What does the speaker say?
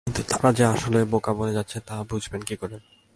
কিন্তু তারা যে আসলেই বোকা বনে যাচ্ছে, তা বুঝবেন কী করে?